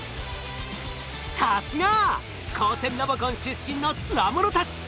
さすが高専ロボコン出身のつわものたち！